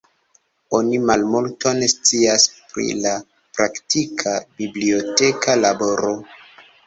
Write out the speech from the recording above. Oni malmulton scias pri la praktika biblioteka laboro.